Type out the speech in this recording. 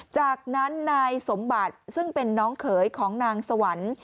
จากนั้นนายสมบัติซึ่งเป็นน้องเขยของนางสวรรค์